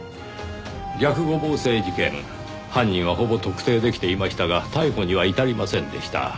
逆五芒星事件犯人はほぼ特定できていましたが逮捕には至りませんでした。